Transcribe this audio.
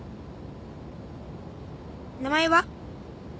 名前は？